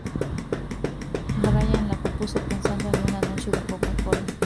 Brian la compuso pensando en un anuncio de Coca Cola.